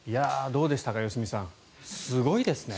どうでしたか、良純さんすごいですね。